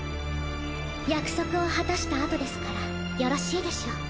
約束を果たしたあとですからよろしいでしょう。